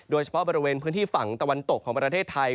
โดยเฉพาะบริเวณพื้นที่ฝั่งตะวันตกของประเทศไทย